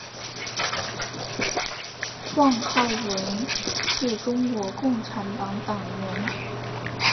况浩文是中国共产党党员。